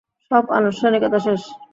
সব আনুষ্ঠানিকতা শেষ।